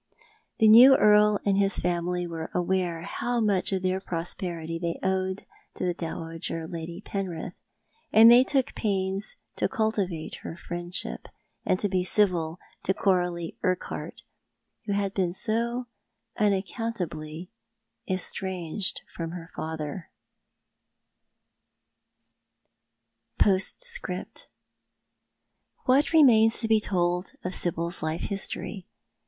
The new earl and his family were aware how much of tlieir prosperity they owed to the Dowager Lady Penrith, and they took pains to cultivate her friendship, and to be civil toCoralie Urquhart, who had been so unaccount ably estranged from her father. ^^S ThoM art the Mmt. 00 POSTSCRIPT. What remains to be told of Sibyl's life history